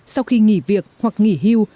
sau khi nghỉ việc hoặc nghỉ hưu